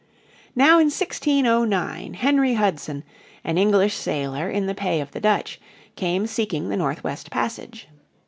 Now in 1609 Henry Hudson, an English sailor in the pay of the Dutch, came seeking the North West passage.